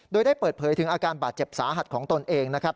โดยได้เปิดเผยถึงอาการบาดเจ็บสาหัสของตนเองนะครับ